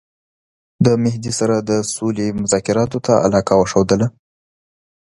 د مهدي سره د سولي مذاکراتو ته علاقه وښودله.